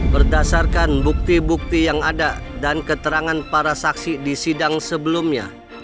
berdasarkan bukti bukti yang ada dan keterangan para saksi di sidang sebelumnya